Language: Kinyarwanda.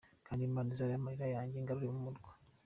Kandi Imana izareba amarira yanjye ingarure mu murwa.